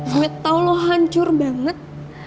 gue tau lo hancur banget